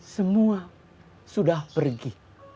semua sudah pergi